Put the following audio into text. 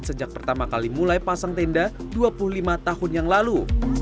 sejak pertama kali mulai pasang tenda dua puluh lima tahun yang lalu